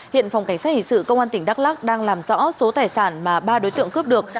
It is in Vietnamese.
hiện phòng cảnh sát hình sự công an tỉnh đắk lắc đang làm rõ số tài sản mà ba đối tượng cướp được